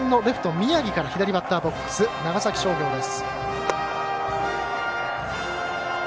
宮城から左バッターボックス長崎商業です。